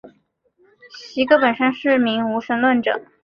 席格本身是名无神论者。